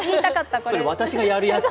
それ、私がやるやつ。